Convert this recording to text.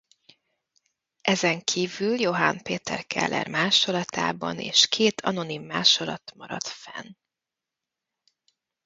Ezen kívül Johann Peter Keller másolatában és két anonim másolat maradt fenn.